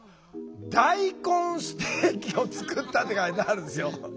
「大根ステーキを作った」って書いてあるんですよ。